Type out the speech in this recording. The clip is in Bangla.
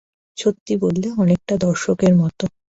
সত্যি বললে, অনেকটা দর্শকের মতো।